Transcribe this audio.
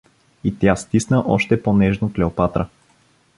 И тя стисна още по-нежно Клеопатра.